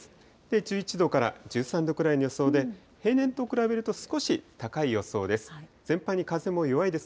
１１度から１３度くらいの予想で、平年と比べると少し高い予想です。